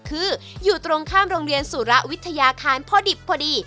คืออยู่ตรงข้ามโรงเรียนสุระวิทยาคารพอดิบพอดี